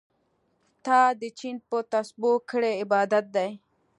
تا د چين په تسبو کړی عبادت دی